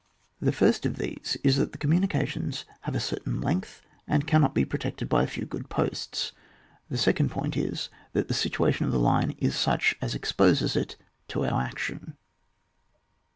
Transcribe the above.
The first of these is, that the commu nications have a certain length, and can not be protected by a few good posts ; the second point is, that the situation of the line is such as exposes it to our ac tion.